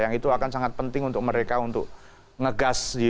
yang itu akan sangat penting untuk mereka untuk ngegas